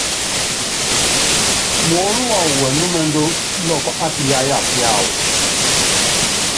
Muɔ́nɔ́ wawɔ wɛnúmɛndú lɔɔpɔ á piyáya piáwɔ.